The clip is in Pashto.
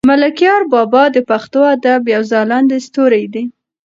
ملکیار بابا د پښتو ادب یو ځلاند ستوری دی.